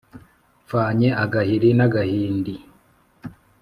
mpfanye agahiri n'agahindi